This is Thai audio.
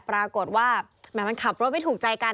ปรากฏว่าแหมมันขับรถไม่ถูกใจกัน